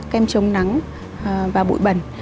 kem chống nắng và bụi bần